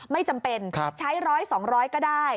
ไม่จำเป็นใช้ร้อยสองร้อยก็ได้